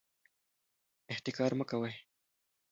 احتکار مه کوئ.